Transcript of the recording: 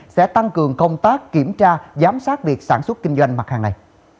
sẽ tăng cường công tác kiểm tra giám sát việc sản xuất kinh doanh mặt hàng này